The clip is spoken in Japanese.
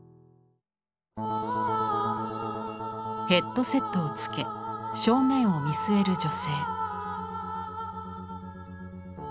ヘッドセットを着け正面を見据える女性。